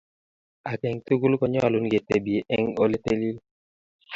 ak eng' tugul konyalun ke tebi eng' ole tilil